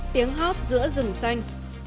tiếng hót giữa rừng xanh